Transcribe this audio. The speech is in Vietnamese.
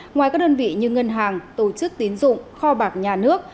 ngoài các đơn vị như ngân hàng tổ chức tín dụng kho bạc nhà nước